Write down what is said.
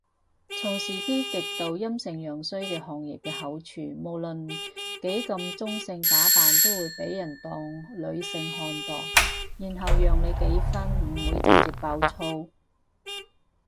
從事啲極度陽盛陰衰嘅行業嘅好處係，無論幾咁中性打扮都會被人當女性看待，然後讓你幾分唔會直接爆粗鬧人